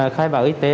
khai báo y tế